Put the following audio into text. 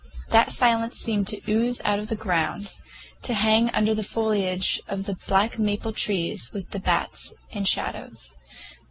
That silence seemed to ooze out of the ground, to hang under the foliage of the black maple trees with the bats and shadows.